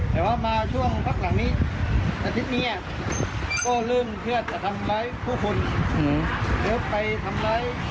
แล้วไปทำร้ายพี่เซเว่นด้วยครับ